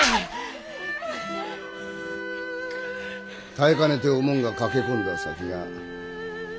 耐えかねておもんが駆け込んだ先が。